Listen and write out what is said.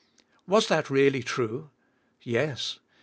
Was that really true? Yes.